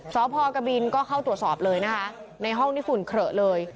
สพกบินก็เข้าตรวจสอบเลยนะคะในห้องนี้ฝุ่นเขละเลย